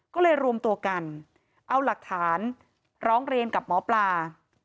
ก็เลยรวมตัวกันเอาหลักฐานร้องเรียนกับหมอปลา